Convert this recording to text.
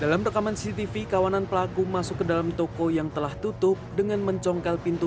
dalam rekaman cctv kawanan pelaku masuk ke dalam toko yang telah tutup dengan mencongkel pintu